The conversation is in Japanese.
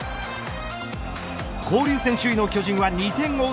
交流戦首位の巨人は２点を追う